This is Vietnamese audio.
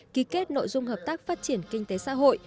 ký kết nội dung hợp tác phát triển kinh tế xã hội